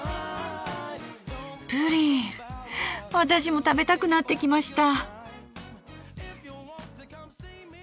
私も食べたくなってきました。